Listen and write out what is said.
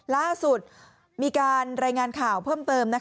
ล่าสุดมีการรายงานข่าวเพิ่มเติม